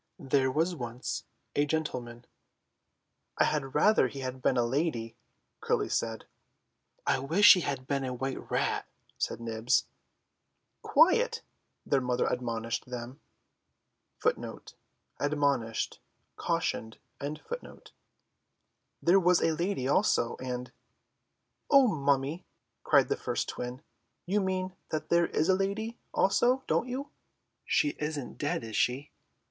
"There was once a gentleman—" "I had rather he had been a lady," Curly said. "I wish he had been a white rat," said Nibs. "Quiet," their mother admonished them. "There was a lady also, and—" "Oh, mummy," cried the first twin, "you mean that there is a lady also, don't you? She is not dead, is she?"